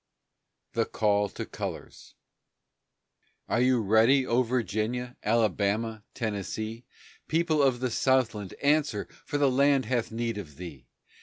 THE CALL TO THE COLORS "Are you ready, O Virginia, Alabama, Tennessee? People of the Southland, answer! For the land hath need of thee."